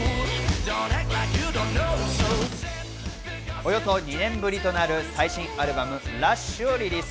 およそ２年ぶりとなる最新アルバム『ＲＵＳＨ！』をリリース。